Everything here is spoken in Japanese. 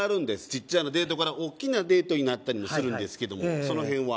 ちっちゃなデートからおっきなデートになったりもするんですけどもその辺は？